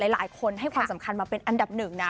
หลายคนให้ความสำคัญมาเป็นอันดับหนึ่งนะ